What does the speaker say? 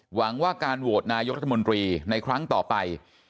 หวังว่าการโหวตนายกรัฐมนตรีในครั้งต่อไป